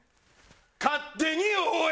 勝手に応援！